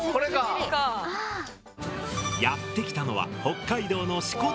やって来たのは北海道の支笏湖。